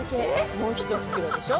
もう１袋でしょ。